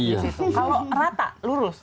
kalau rata lurus